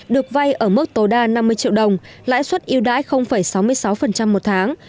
được vay ở mức tối đa năm mươi triệu đồng lãi suất yêu đãi sáu mươi sáu một tháng